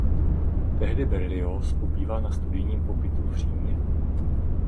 Tehdy Berlioz pobýval na studijním pobytu v Římě.